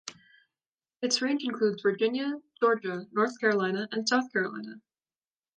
Its range includes Virginia, Georgia, North Carolina and South Carolina.